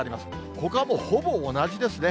ほかはもうほぼ同じですね。